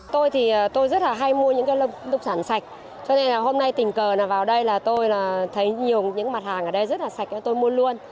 tôi rất hay mua những lục sản sạch cho nên hôm nay tình cờ vào đây tôi thấy nhiều mặt hàng ở đây rất sạch tôi mua luôn